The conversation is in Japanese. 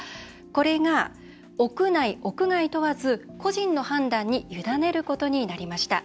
これが屋内、屋外問わず個人の判断に委ねることになりました。